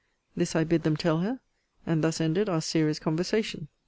This I bid them tell her. And thus ended our serious conversation.